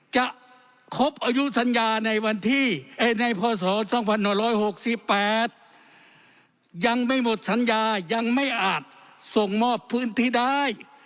จะครบอายุสัญญาในวันที่ในพศ๒๑๖๘ยังไม่หมดสัญญายังไม่อาจส่งมอบพื้นที่ได้